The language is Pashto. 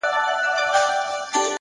وخت د فرصتونو ارزښت څرګندوي’